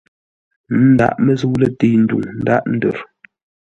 Ndaghʼ məzə̂u lətei ndwuŋ ndaghʼ ndər.